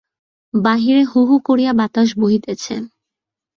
বাহিরে হু হু করিয়া বাতাস বহিতেছে।